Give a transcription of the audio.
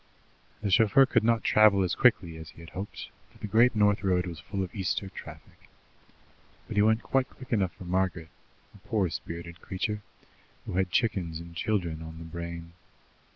The chauffeur could not travel as quickly as he had hoped, for the Great North Road was full of Easter traffic. But he went quite quick enough for Margaret, a poor spirited creature, who had chickens and children on the brain.